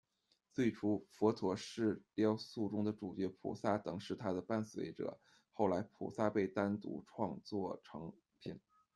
最初，佛陀是雕塑中的主角，菩萨等是他的伴随者，后来菩萨被单独创作成品。